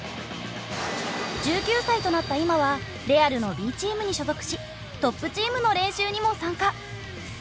１９歳となった今はレアルのＢチームに所属しトップチームの練習にも参加。